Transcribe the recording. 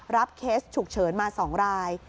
รับเคสฉุกเฉินมาสองราย